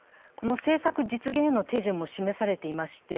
政策実現への手順も示されていまして